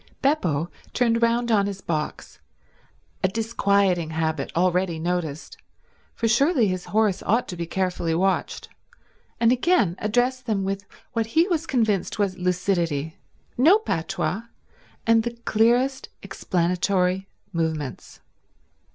Beppo turned round on his box—a disquieting habit already noticed, for surely his horse ought to be carefully watched—and again addressed them with what he was convinced was lucidity—no patois, and the clearest explanatory movements.